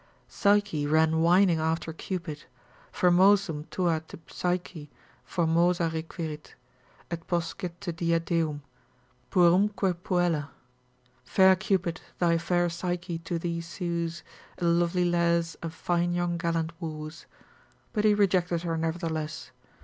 Psyche ran whining after Cupid, Formosum tua te Psyche formosa requirit, Et poscit te dia deum, puerumque puella; Fair Cupid, thy fair Psyche to thee sues, A lovely lass a fine young gallant woos; but he rejected her nevertheless.